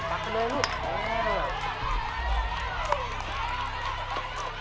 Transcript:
มากเลย